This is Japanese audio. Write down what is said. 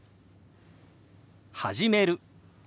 「始める」。